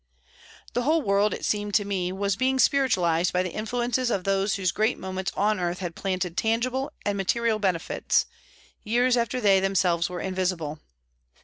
The whole world, it seemed to me, was being spiritualised by the influences of those whose great moments on earth had planted tangible and material benefits, years after they themselves were invisible.